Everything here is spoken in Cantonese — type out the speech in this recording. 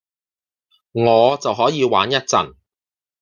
我就可以玩一陣